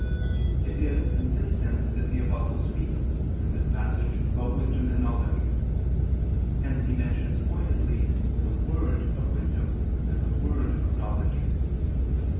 It is in this sense that the Apostle speaks, in this passage, about wisdom and knowledge: hence he mentions pointedly the "word" of wisdom and the "word" of knowledge.